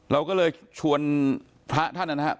เราก็เลยชวนพระท่านนะครับ